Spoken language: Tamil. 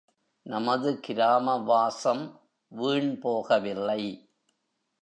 நமது கிராம வாசம் வீண் போகவில்லை.